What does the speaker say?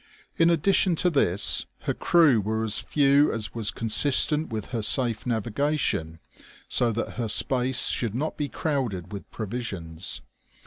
In addition to this, her crew were as few as was consistent with her safe navigation, so that her space should not be crowded with provisions.